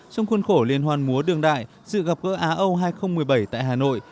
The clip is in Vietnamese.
trong khuôn khổ liên hoan múa đường đại sự gặp gỡ á âu hai nghìn một mươi bảy tại hà nội